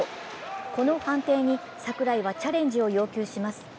この判定に櫻井はチャレンジを要求します。